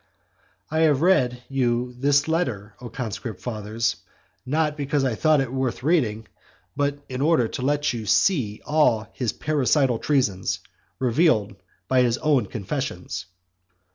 I have read you this letter, O conscript fathers, not because I thought it worth reading, but in order to let you see all his parricidal treasons revealed by his own confessions.